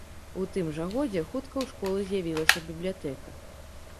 У тым жа годзе хутка ў школы з'явілася бібліятэка.